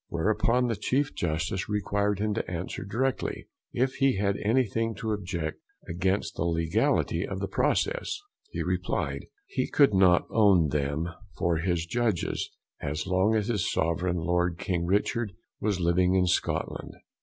whereupon the Chief Justice required him to answer directly, if he had anything to object against the Legality of the Process; he replyed, he could not own them for his judges, as long as his Sovereign Lord King Richard was living in Scotland.